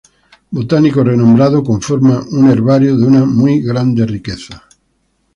Botánico renombrado, conforma un herbario de una muy grande riqueza.